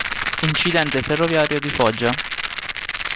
Incidente ferroviario di Foggia